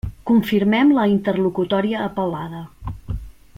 Confirmem la interlocutòria apel·lada.